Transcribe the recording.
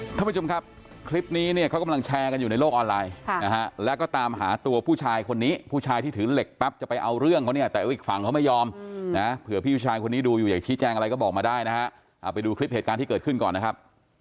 ท่านผู้ชมครับคลิปนี้เนี่ยเขากำลังแชร์กันอยู่ในโลกออนไลน์นะฮะแล้วก็ตามหาตัวผู้ชายคนนี้ผู้ชายที่ถือเหล็กปั๊บจะไปเอาเรื่องเขาเนี่ยแต่ว่าอีกฝั่งเขาไม่ยอมนะเผื่อพี่ผู้ชายคนนี้ดูอยู่อยากชี้แจงอะไรก็บอกมาได้นะฮะเอาไปดูคลิปเหตุการณ์ที่เกิดขึ้นก่อนนะครับ